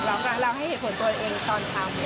เราให้เหตุผลตัวเองตอนต่อ